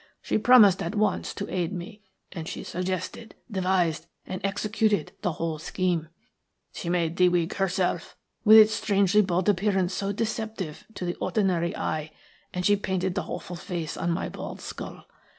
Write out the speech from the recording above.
She promised at once to aid me, and she suggested, devised, and executed the whole scheme. She made the wig herself, with its strangely bald appearance so deceptive to the ordinary eye, and she painted the awful face on my bald skull.